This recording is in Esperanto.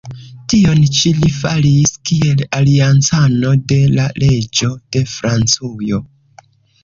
Tion ĉi li faris kiel aliancano de la reĝo de Francujo.